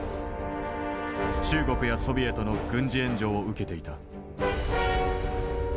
中国やソビエトの軍事援助を受けていた。